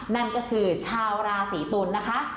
นั่นก็คือชาวราศีตุลนะคะ